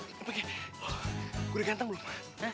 gue udah ganteng belum